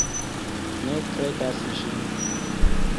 Ne kredas ĝin.